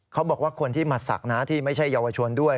เขาบอกว่าคนที่มาศักดิ์นะที่ไม่ใช่เยาวชนด้วย